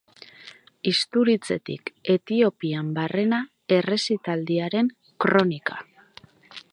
Isturitzetik Etiopian barrena errezitaldiaren kronika.